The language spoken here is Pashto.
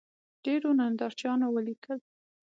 ډېرو نندارچیانو ولیکل